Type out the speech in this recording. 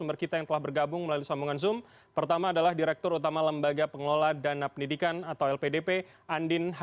baik alhamdulillah dalam kondisi baik